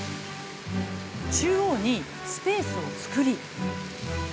中央にスペースを作り。